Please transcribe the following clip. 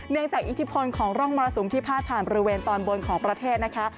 จากอิทธิพลของร่องมรสุมที่พาดผ่านบริเวณตอนบนของประเทศนะคะ